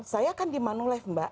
saya kan di manuleve mbak